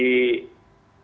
sajak itu ya